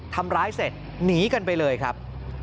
ทำร้ายเสร็จหนีกันไปเลยครับ